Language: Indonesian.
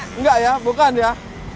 tidak ya bukan ya